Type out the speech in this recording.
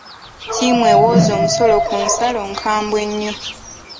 Ttiimu ewooza omusolo ku nsalo nkambwe nnyo.